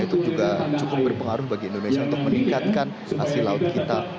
itu juga cukup berpengaruh bagi indonesia untuk meningkatkan hasil laut kita